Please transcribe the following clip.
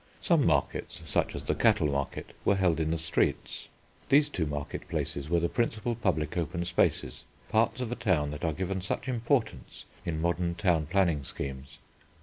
Some markets, such as the cattle market, were held in the streets. These two market places were the principal public open spaces, parts of a town that are given such importance in modern town planning schemes.